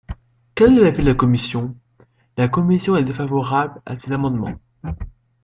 Quel est l’avis de la commission ? La commission est défavorable à ces amendements.